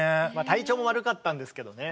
体調も悪かったんですけどね。